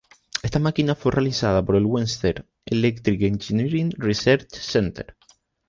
Esta máquina fue realizada por el Western Electric Engineering Research Center.